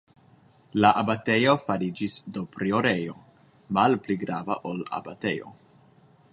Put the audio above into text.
La abatejo fariĝis do priorejo, malpli grava ol abatejo.